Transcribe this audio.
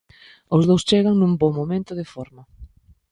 Os dous chegan nun bo momento de forma.